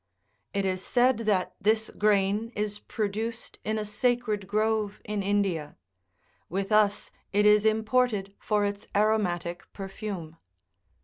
52 It is said that this grain is produced in a sacred grove in India ; with us it is imported for its aromatic perfume.